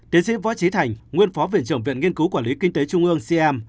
tiến sĩ võ trí thành nguyên phó viện trưởng viện nghiên cứu quản lý kinh tế trung ương cm